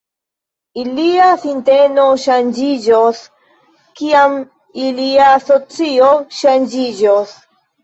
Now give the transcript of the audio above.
Ilia sinteno ŝanĝiĝos, kiam ilia socio ŝanĝiĝos.